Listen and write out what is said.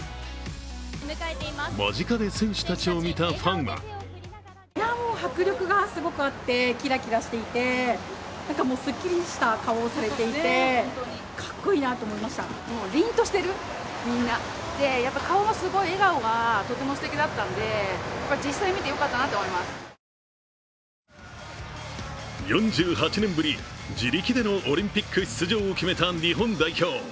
間近で選手たちを見たファンは４８年ぶり自力でのオリンピック出場を決めた日本代表。